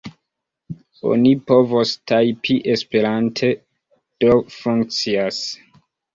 Oni povos tajpi esperante, do funkcias.